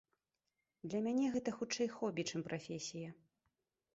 Для мяне гэта хутчэй хобі, чым прафесія.